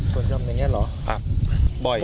ส่วนจอมอย่างนี้เหรอ